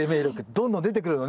どんどん出てくるのね。